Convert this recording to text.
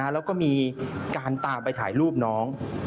แล้วก็มีการตามไปถ่ายรูปน้อง